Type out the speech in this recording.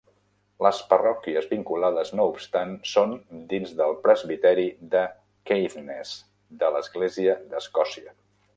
Les parròquies vinculades, no obstant, són dins del Presbiteri de Caithness de l'Església d'Escòcia.